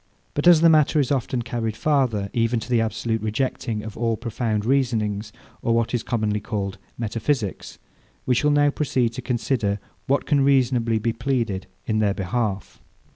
But as the matter is often carried farther, even to the absolute rejecting of all profound reasonings, or what is commonly called metaphysics, we shall now proceed to consider what can reasonably be pleaded in their behalf.